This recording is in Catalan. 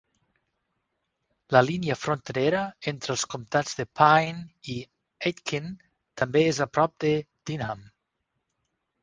La línia fronterera entre els comtats de Pine i Aitkin també és a prop de Denham.